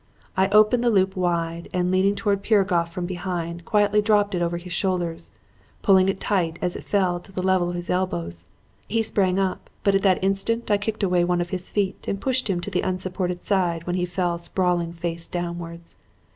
I opened the loop wide, and leaning towards Piragoff from behind, quietly dropped it over his shoulders, pulling it tight as it fell to the level of his elbows. He sprang up, but at that instant I kicked away one of his feet and pushed him to the unsupported side, when he fell sprawling face downwards.